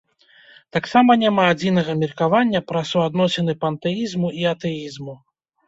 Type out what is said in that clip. Таксама няма адзінага меркавання пра суадносіны пантэізму і атэізму.